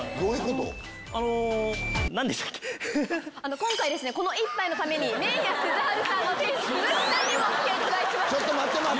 今回この一杯のために麺屋鈴春さんの店主鈴木さんにも来ていただいてます。